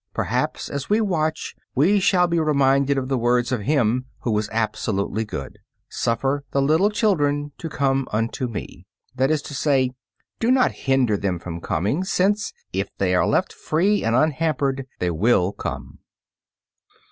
Perhaps as we watch we shall be reminded of the words of Him who was absolutely good, "Suffer the little children to come unto Me." That is to say, "Do not hinder them from coming, since, if they are left free and unhampered, they will come."